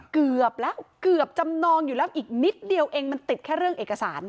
เกือบแล้วเกือบจำนองอยู่แล้วอีกนิดเดียวเองมันติดแค่เรื่องเอกสาร